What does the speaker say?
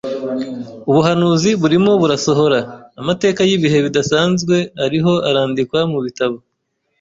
Ubuhanuzi burimo burasohora. Amateka y’ibihe bidasanzwe ariho arandikwa mu bitabo